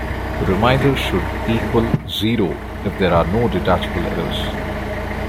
The remainder should equal zero if there are no detectable errors.